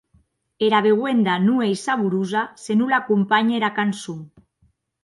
Era beuenda non ei saborosa se non l’acompanhe era cançon.